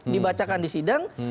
dibacakan di sidang